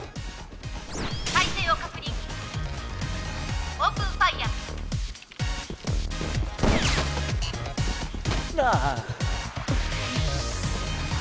「対戦を確認」「オープンファイヤ」「」ああ。